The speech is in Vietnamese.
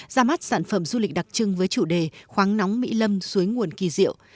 ra mắt sản phẩm du lịch đặc trưng với chủ đề khoáng nóng mỹ lâm suối nguồn kỳ diệu